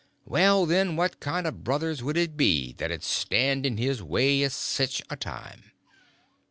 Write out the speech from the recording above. Well, then, what kind o' brothers would it be that 'd stand in his way at sech a time?